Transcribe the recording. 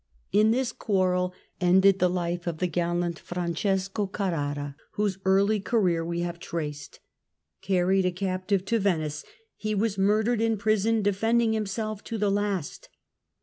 In this quarrel ended the life of the gallant Francesco Carrara, whose early career we have traced. Carried a captive to Venice, he was murdered in prison, defending himself to the last.